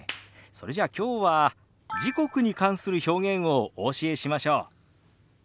それじゃあきょうは時刻に関する表現をお教えしましょう。